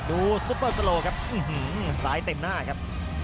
ดูซุปเปอร์สโลครับอื้อหือซ้ายเต็มหน้าครับ